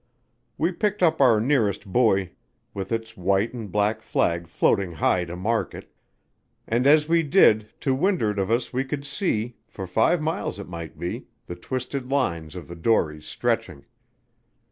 We picked up our nearest buoy, with its white and black flag floating high to mark it, and as we did, to wind'ard of us we could see, for five miles it might be, the twisted lines of the dories stretching.